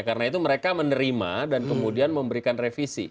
karena itu mereka menerima dan kemudian memberikan revisi